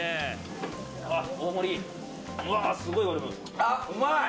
あっ、うまい！